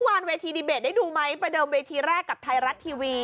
วานเวทีดีเบตได้ดูไหมประเดิมเวทีแรกกับไทยรัฐทีวี